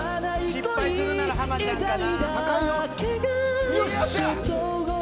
失敗するなら濱ちゃんかな。